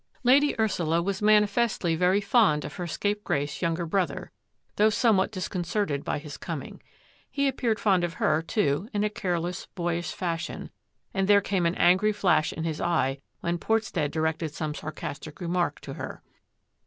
Lady Ursula was manifestly very fond of her scapegrace younger brother, though somewhat dis concerted by his coming. He appeared fond of her, too, in a careless, boyish fashion, and there came an angry flash in his eye when Portstead directed some sarcastic remark to her.